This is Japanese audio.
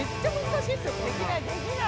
できない。